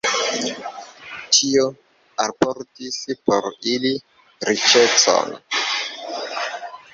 Tio alportis por ili riĉecon.